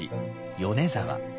米沢。